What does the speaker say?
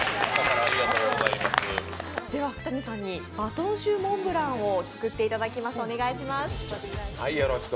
では福谷さんにバトンシューモンブランを作っていただきます。